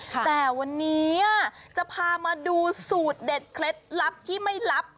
แต่วันนี้จะพามาดูสูตรเด็ดเคล็ดลับที่ไม่ลับ